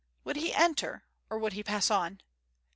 Would he enter; or would he pass on?